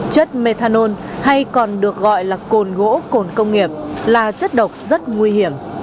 chất methanol hay còn được gọi là cồn gỗ cồn công nghiệp là chất độc rất nguy hiểm